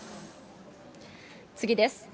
次です。